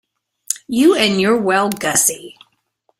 You and your 'Well, Gussie'!